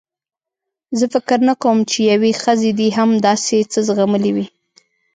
زه فکر نه کوم چې یوې ښځې دې هم داسې څه زغملي وي.